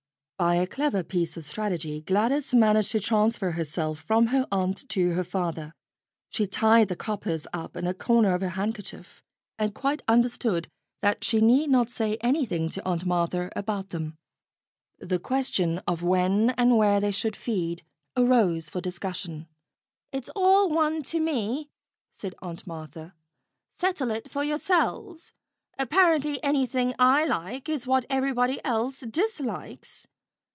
By a clever piece of strategy Gladys managed to transfer herself from her aunt to her father. She tied the coppers up in a corner of her handkerchief and quite understood that she need not say anything to Aunt Martha about 146 STORIES WITHOUT TEARS them. The question of when and where they should feed arose for discussion. "It's all one to me," said Aunt Martha. "Settle it for yourselves. Apparently anything I like is what everybody else dislikes.